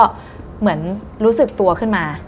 พอตี๒ตี๓เขาก็เหมือนรู้สึกตัวขึ้นมา